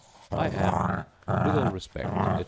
I am, With all respect, etc.